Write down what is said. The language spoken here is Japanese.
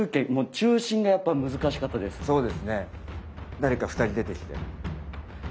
誰か２人出てきて。